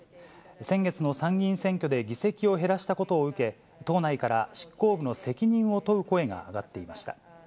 先月の参議院選挙で議席を減らしたことを受け、党内から執行部の責任を問う声が上がっていました。